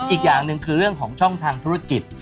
อีกอย่างหนึ่งคือเรื่องของช่องทางธุรกิจ